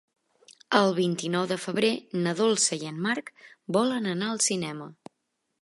El vint-i-nou de febrer na Dolça i en Marc volen anar al cinema.